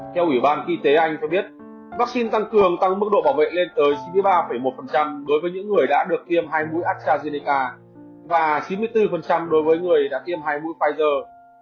theo ủy ban y tế anh cho biết vaccine tăng cường tăng mức độ bảo vệ lên tới chín mươi ba một đối với những người đã được tiêm hai mũi astrazeneca và chín mươi bốn đối với người đã tiêm hai mũi pfizer